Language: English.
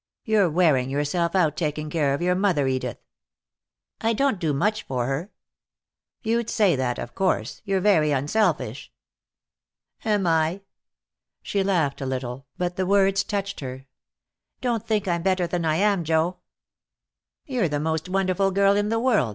"You're wearing yourself out taking care of your mother, Edith." "I don't do much for her." "You'd say that, of course. You're very unselfish." "Am I?" She laughed a little, but the words touched her. "Don't think I'm better than I am, Joe." "You're the most wonderful girl in the world.